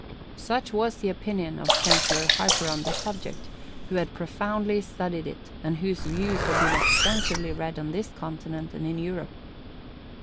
Such was the opinion of Chancellor Harper on this subject, who had profoundly studied it, and whose views had been extensively read on this continent and in Europe.